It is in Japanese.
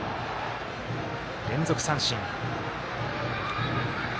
連続三振。